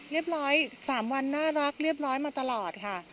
เรียบร้อยสามวันน่ารักเรียบร้อยมาตลอดค่ะ